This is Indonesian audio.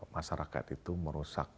masyarakat itu merusak